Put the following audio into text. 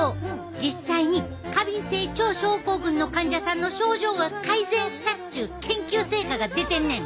実際に過敏性腸症候群の患者さんの症状が改善したっちゅう研究成果が出てんねん！